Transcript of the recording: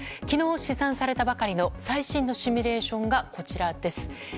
昨日試算されたばかりの最新のシミュレーションがこちらです。